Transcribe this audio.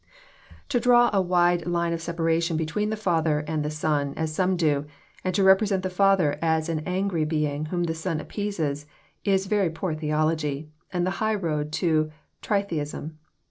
876 EXFOsrroBY thoughts. To draw a wide line of separation between the Father and ^he Son, as some do, and to represent the Father as an angry Being whom the Son appeases, is very poor theology, and the high road to Tritheism.